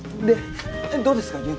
でどうですか？